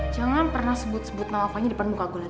jangan pernah sebut sebut nama fahy di depan muka gue lagi